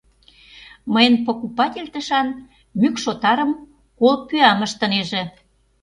Мыйын покупатель тышан мӱкш отарым, кол пӱям ыштынеже.